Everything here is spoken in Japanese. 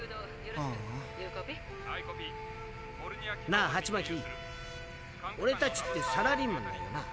なあハチマキオレたちってサラリーマンだよな？